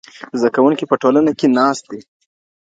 زده کوونکي په ټولګي کي ناست دي.